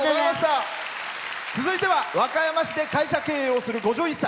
続いては和歌山市で会社経営をする５１歳。